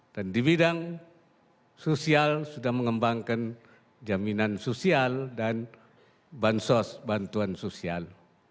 dan di bidang sosial sudah mengembangkan jaminan sosial dan bansos bantuan sosial